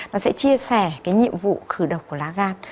nó sẽ chia sẻ cái nhiệm vụ khử độc của lá gan